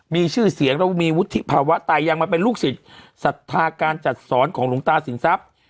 มีชื่อเสียงแล้วมีวุฒิภาวะตายังมาเป็นลูกศิษย์ศรัทธาการจัดสอนของหลวงตาสินทรัพย์